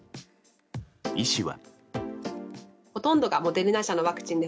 医師は。